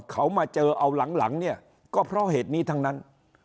เขามาเจอเอาหลังเนี่ยก็เพราะเหตุนี้ทั้งนั้น